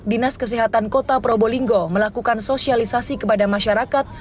dinas kesehatan kota probolinggo melakukan sosialisasi kepada masyarakat